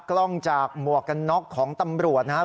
กล้องจากหมวกกันน็อกของตำรวจนะครับ